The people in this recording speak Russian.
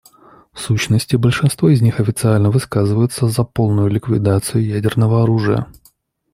В сущности, большинство из них официально высказываются за полную ликвидацию ядерного оружия.